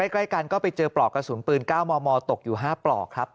ใกล้กันก็ไปเจอปลอกกระสุนปืน๙มมตกอยู่๕ปลอกครับ